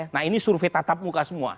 nah ini survei tatap muka semua